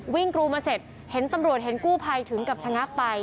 กรูมาเสร็จเห็นตำรวจเห็นกู้ภัยถึงกับชะงักไป